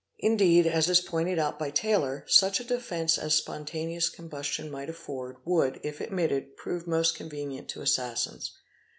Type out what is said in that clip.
Indeed, as is pointed out by Taylor, 4) _ such a defence as spontaneous combustion might afford, would, if admit _ ted, prove most convenient to assassins.